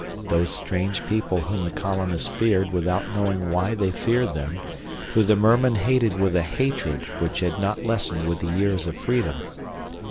Those strange people whom the colonists feared without knowing why they feared them, whom the mermen hated with a hatred which had not lessened with the years of freedom.